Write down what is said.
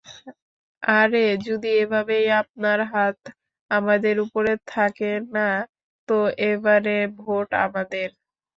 আরে যদি এভাবেই আপনার হাত আমাদের উপরে থাকে না, তো এবারে ভোট আমাদের।